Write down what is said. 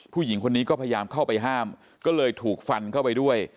ผู้หญิงคนนี้ก็พยายามเข้าไปห้ามก็เลยถูกฟันเข้าไปด้วย